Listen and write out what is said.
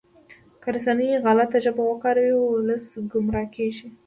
که رسنۍ غلطه ژبه وکاروي ولس ګمراه کیږي.